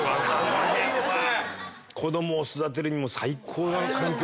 いいですね！